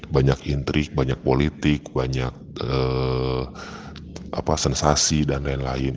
banyak intrik banyak politik banyak sensasi dan lain lain